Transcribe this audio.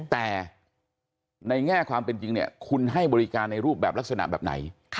แต่ในแง่ความเป็นจริงเนี่ยคุณให้บริการในรูปแบบลักษณะแบบไหน